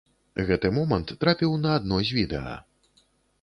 Гэты момант трапіў на адно з відэа.